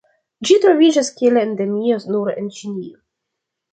Ĝi troviĝas kiel endemio nur en Ĉinio.